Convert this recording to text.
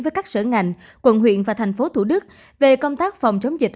với các sở ngành quận huyện và thành phố thủ đức về công tác phòng chống dịch